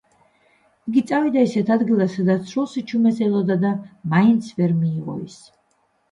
იგი წავიდა ისეთ ადგილას სადაც სრულ სიჩუმეს ელოდა და მაინც ვერ მიიღო ის.